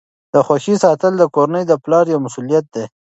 د خوښۍ ساتل د کورنۍ د پلار یوه مسؤلیت ده.